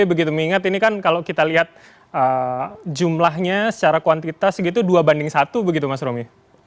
mengingat ini kan kalau kita lihat jumlahnya secara kuantitas gitu dua banding satu begitu mas romi